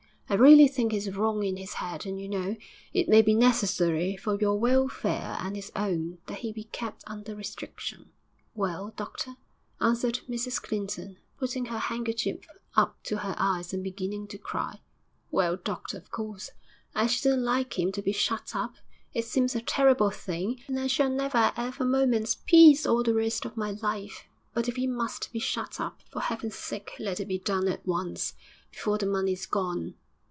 I really think he's wrong in his head, and, you know, it may be necessary for your welfare and his own that he be kept under restriction.' 'Well, doctor,' answered Mrs Clinton, putting her handkerchief up to her eyes and beginning to cry, 'well, doctor, of course I shouldn't like him to be shut up it seems a terrible thing, and I shall never 'ave a moment's peace all the rest of my life; but if he must be shut up, for Heaven's sake let it be done at once, before the money's gone.'